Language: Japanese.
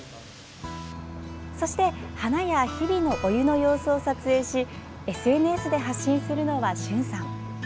そして花や日々のお湯の様子を撮影しＳＮＳで発信するのは駿さん。